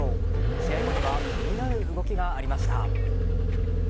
試合後には気になる動きがありました。